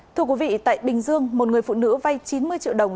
thưa quý vị tại bình dương một người phụ nữ vay chín mươi triệu đồng